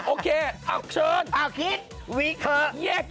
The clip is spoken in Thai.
โอเคเอาเชิญอ้าวพรีฟวิเคราะห์